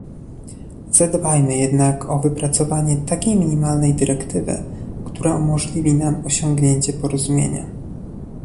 Zadbajmy jednak o wypracowanie takiej minimalnej dyrektywy, która umożliwi nam osiągnięcie porozumienia